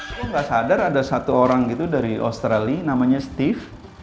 saya nggak sadar ada satu orang gitu dari australia namanya steve